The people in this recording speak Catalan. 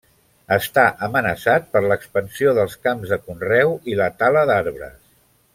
Està amenaçat per l'expansió dels camps de conreu i la tala d'arbres.